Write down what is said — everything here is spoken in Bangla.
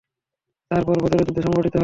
তারপর বদরের যুদ্ধ সংঘটিত হল।